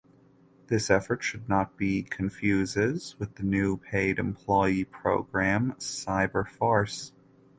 This effort should not be confuses with the new paid employee program "Cyber Force".